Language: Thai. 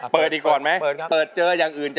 เปิดอีกก่อนไหมเปิดเจออย่างอื่น